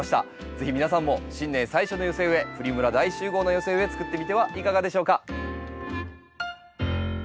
是非皆さんも新年最初の寄せ植えプリムラ大集合の寄せ植えつくってみてはいかがでしょうか？